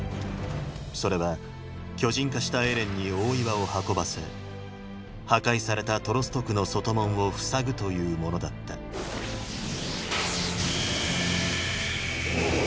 それは巨人化したエレンに大岩を運ばせ破壊されたトロスト区の外門を塞ぐというものだったおおぉ！